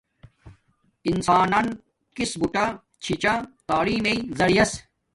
انسانن کس بوٹا چھی چھا تعلیم میݵ زریعس